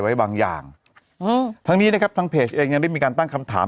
ไว้บางอย่างอืมทั้งนี้นะครับทางเพจเองยังได้มีการตั้งคำถาม